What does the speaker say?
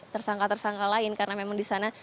tersangka tersangka lain karena memang di sana